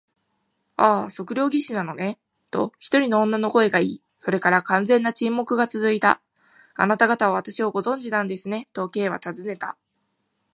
「ああ、測量技師なのね」と、一人の女の声がいい、それから完全な沈黙がつづいた。「あなたがたは私をご存じなんですね？」と、Ｋ はたずねた。